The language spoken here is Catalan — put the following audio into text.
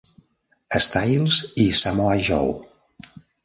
Styles i Samoa Joe.